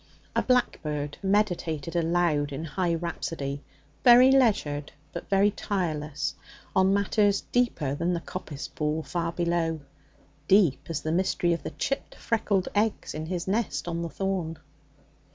A blackbird meditated aloud in high rhapsody, very leisured, but very tireless, on matters deeper than the Coppice Pool far below, deep as the mystery of the chipped, freckled eggs in his nest in the thorn.